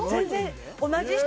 同じ人？